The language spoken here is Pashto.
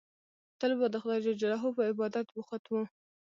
تل به د خدای جل جلاله په عبادت بوخت وو.